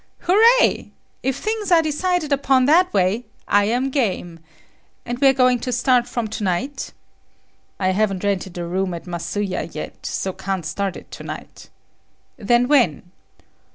"Hooray! If things are decided upon that way, I am game. And we are going to start from to night?" "I haven't rented a room at Masuya yet, so can't start it to night." "Then when?"